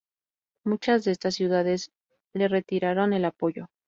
Muchas de estas ciudades le retiraron el apoyo.